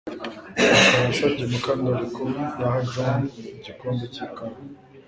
Mukara yasabye Mukandoli ko yaha John igikombe cyikawa